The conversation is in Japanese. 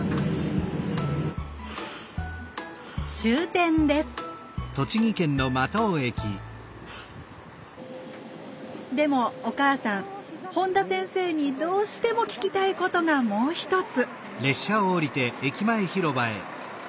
終点ですでもお母さん本田先生にどうしても聞きたいことがもう一つ。